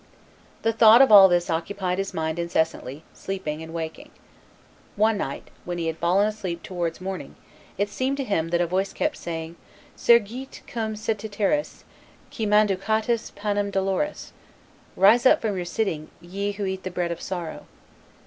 The thought of all this occupied his mind incessantly, sleeping and waking. One night, when he had fallen asleep towards morning, it seemed to him that a voice kept saying, Surgite cum sederitis, qui manducatis panem doloris (Rise up from your sitting, ye who eat the bread of sorrow).